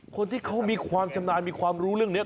คนที่เขามีความชำนาญมีความรู้เรื่องนี้